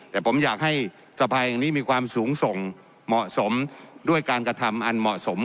แต่ผมอยากให้สภายแห่งนี้มีความสูงส่งเหมาะสมด้วยการกระทำอันเหมาะสม